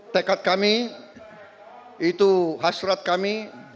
tekad kami itu hasrat kami